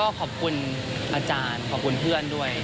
ก็ขอบคุณอาจารย์ขอบคุณเพื่อนด้วย